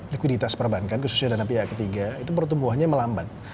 likuiditas perbankan khususnya dana pihak ketiga itu pertumbuhannya melambat